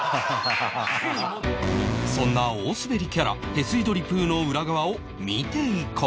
そんな大スベリキャラ屁吸い鳥プーの裏側を見ていこう